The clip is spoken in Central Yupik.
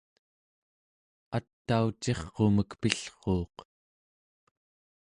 ataucirqumek pillruuq